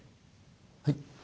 はい？